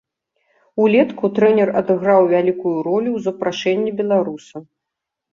Улетку трэнер адыграў вялікую ролю ў запрашэнні беларуса.